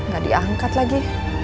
gak diangkat lagi